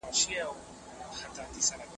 دا کليوال خلک ډېر مېلمه پاله دي.